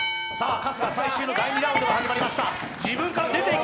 春日最終の第２ラウンドが始まりました。